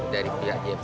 dari pihak gfc